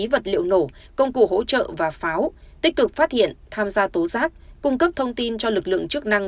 vật liệu nổ công cụ hỗ trợ và pháo tích cực phát hiện tham gia tố giác cung cấp thông tin cho lực lượng chức năng